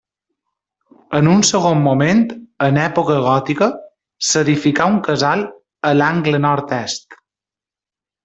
En un segon moment, en època gòtica, s'edificà un casal a l'angle nord-est.